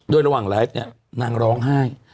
โดยระหว่างไลฟ์เนี่ยนางร้องไห้